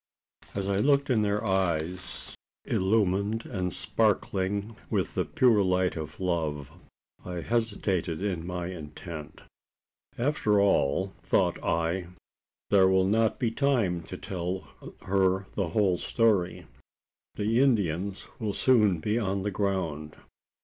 As I looked in their eyes, illumined and sparkling with the pure light of love, I hesitated in my intent. "After all," thought I, "there will not be time to tell her the whole story. The Indians will soon be on the ground.